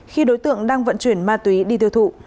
khi đối tượng đang vận chuyển ma túy đi tiêu thụ